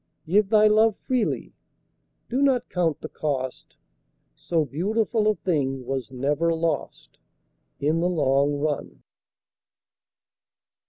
Give thy love freely; do not count the cost; So beautiful a thing was never lost In the long run.